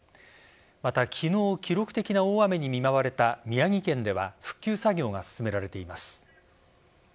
また、昨日記録的な大雨に見舞われた宮城県では復旧作業が進められています。